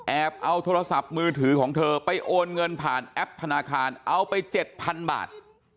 เอาโทรศัพท์มือถือของเธอไปโอนเงินผ่านแอปธนาคารเอาไป๗๐๐บาท